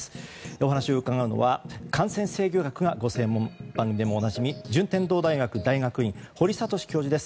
お話を伺うのは感染制御学がご専門で番組でもおなじみ順天堂大学大学院堀賢教授です。